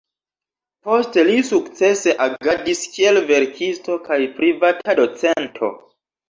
Poste li sukcese agadis kiel verkisto kaj privata docento.